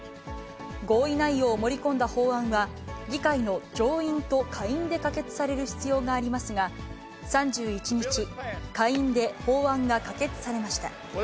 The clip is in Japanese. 合意内容を盛り込んだ法案は、議会の上院と下院で可決される必要がありますが、３１日、下院で法案が可決されました。